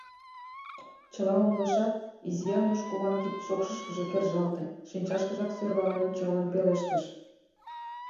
Чыла умылышат, Изи Ануш куван кид шокшышкыжо кержалте, шинчашкыжак сӧрвален ончалын пелештыш: